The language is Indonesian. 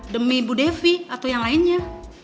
demi bu devi atau yang lainnya